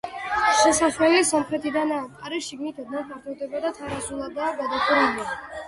შესასვლელი სამხრეთიდანაა, კარი შიგნით ოდნავ ფართოვდება და თარაზულადაა გადახურული.